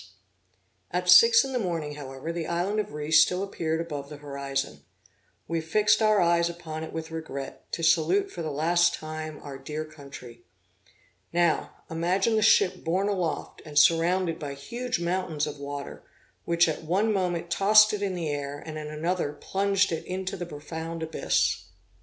At six in the morning, however, the island of Rhe still appeared above the horizon. We fixed our eyes upon it with regret, to salute for the last time our dear country. Now, imagine the ship borne aloft, and surrounded by huge mountains of water, which at one moment tossed it in the air, and at another plunged it into the profound abyss.